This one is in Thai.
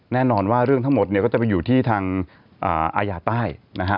แน่นอนว่าเรื่องทั้งหมดเนี่ยก็จะไปอยู่ที่ทางอาญาใต้นะฮะ